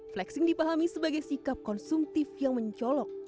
flexing dipahami sebagai sikap konsumtif yang mencolok